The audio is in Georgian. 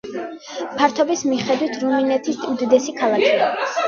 ფართობის მიხედვით რუმინეთის უდიდესი ქალაქია.